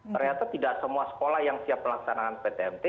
ternyata tidak semua sekolah yang siap melaksanakan ptmt